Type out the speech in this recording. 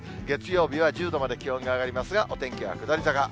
月曜日は１０度まで気温が上がりますが、お天気は下り坂。